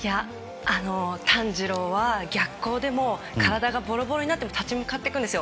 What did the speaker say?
炭治郎は逆光でも体がボロボロになっても立ち向かっていくんですよ。